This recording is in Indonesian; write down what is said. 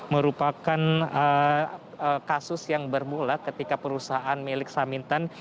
merupakan kasus yang bermula ketika perusahaan milik samintan